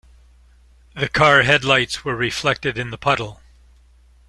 The car headlights were reflected in the puddle.